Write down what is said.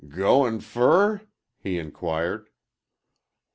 "G goin' fur?" he inquired.